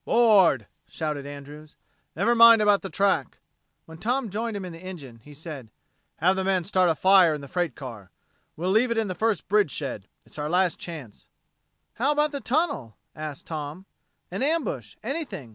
"'Board," shouted Andrews. "Never mind about the track." When Tom joined him in the engine, he said: "Have the men start a fire in the freight car. We'll leave it in the first bridge shed. It's our last chance." "How about the tunnel?" asked Tom. "An ambush anything.